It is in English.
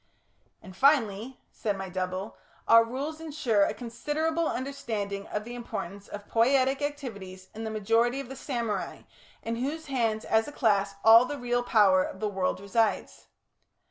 "And finally," said my double, "our Rules ensure a considerable understanding of the importance of poietic activities in the majority of the samurai, in whose hands as a class all the real power of the world resides."